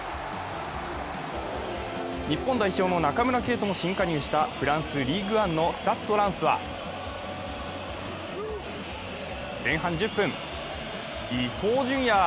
日本代表の中村敬斗も新加入したフランス、リーグ・アンのスタッド・ランスは前半１０分、伊東純也！